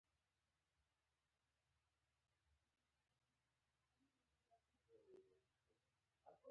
قومي بدبیني د ناپېژندنې زیږنده ده.